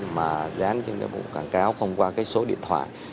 mà dán trên cái bộ quảng cáo không qua số điện thoại